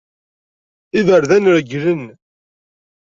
Iberdan regglen.